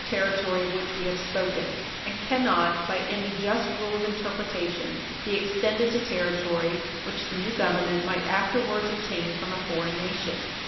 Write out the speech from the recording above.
442 territory of which we have spoken, and cannot, by any just rule of interpretation, be extended to territory which the new Government might afterwards obtain from a foreign nation.